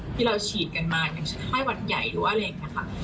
ที่เราฉีดกันมาอย่างชะไตวนใหญ่หรืออะไรเหมือนกันค่ะ